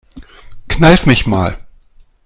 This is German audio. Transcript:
Kneif mich mal.